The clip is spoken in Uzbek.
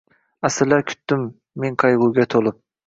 Asrlar kutdim men qayg’uga to’lib